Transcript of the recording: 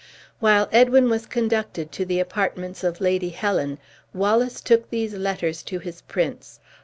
While Edwin was conducted to the apartments of Lady Helen, Wallace took these letters to his prince.